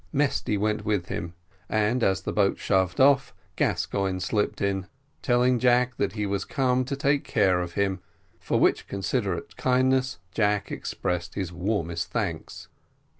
Mesty went with him, and, as the boat shoved off, Gascoigne slipped in, telling Jack that he was come to take care of him, for which considerate kindness Jack expressed his warmest thanks.